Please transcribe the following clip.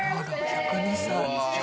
１０２歳！